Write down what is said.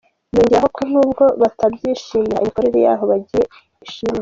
Yongeraho ko n’ubwo batabyishimira imikorere y’aho bagiye ishimwa.